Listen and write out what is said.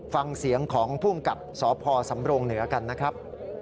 ฟังเสียงของภูมิกับสพสำรงเหนือกันนะครับ